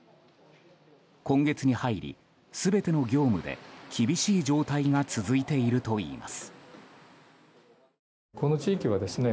今月に入り、全ての業務で厳しい状態が続いているといいます。